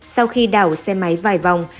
sau khi đảo xe máy vài vòng